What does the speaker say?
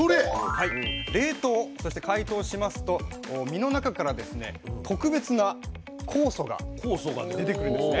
冷凍そして解凍しますと身の中からですね特別な酵素が出てくるんですね。